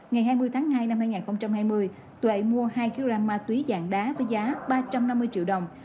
ngày hai mươi tháng hai năm hai nghìn hai mươi tuệ mua hai kg ma túy dạng đá với giá ba trăm năm mươi triệu đồng